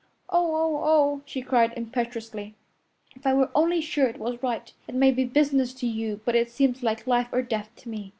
"Oh, oh, oh!" she cried impetuously, "if I were only sure it was right! It may be business to you, but it seems like life or death to me.